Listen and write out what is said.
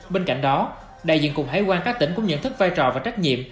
bên cạnh đó đại diện cục hải quan các tỉnh cũng nhận thức vai trò và trách nhiệm